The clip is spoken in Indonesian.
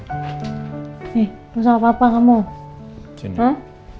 nih gak usah apa apa kamu